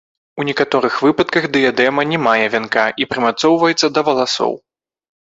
У некаторых выпадках дыядэма не мае вянка, а прымацоўваецца да валасоў.